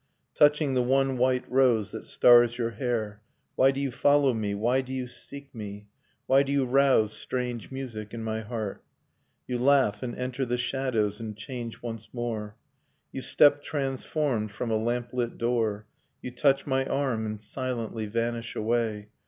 Touching the one white rose that stars your hair. Why do you follow me, why do you seek me. Why do you rouse strange music in my heart? You laugh and enter the shadows and change once more. You step transformed from a lamplit door. You touch my arm and silently vanish away.